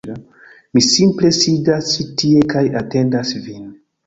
Mi simple sidas ĉi tie kaj atendas vin